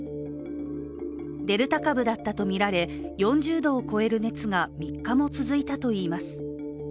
デルタ株だったとみられ、４０度を超える熱が３日も続いたといいます。